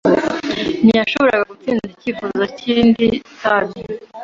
Ntiyashoboraga gutsinda icyifuzo cy'indi itabi.